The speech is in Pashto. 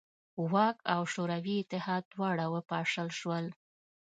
واک او شوروي اتحاد دواړه وپاشل شول.